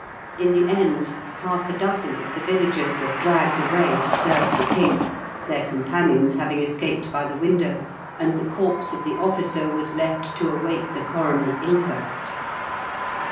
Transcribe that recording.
In the end, half a dozen of the villagers were dragged away to serve the King, their companions having escaped by the window, and the corpse of the officer was left to await the coroner's inquest.